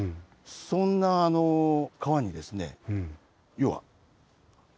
そんな川にですね